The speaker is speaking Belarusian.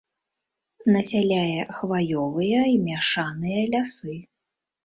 Насяляе хваёвыя і мяшаныя лясы.